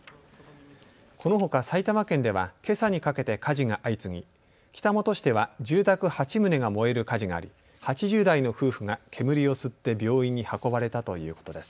このほか埼玉県ではけさにかけて火事が相次ぎ北本市では住宅８棟が燃える火事があり８０代の夫婦が煙を吸って病院に運ばれたということです。